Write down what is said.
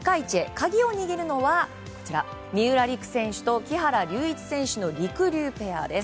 鍵を握るのは三浦璃来選手と木原龍一選手のりくりゅうペアです。